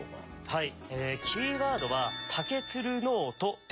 はい。